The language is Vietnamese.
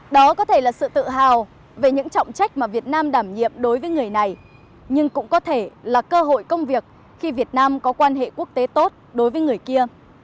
đó có thể là sự tự hào về những trọng trách mà việt nam đảm nhiệm đối với người này nhưng cũng có thể là cơ hội công việc khi việt nam có quan hệ quốc tế tốt đối với người kia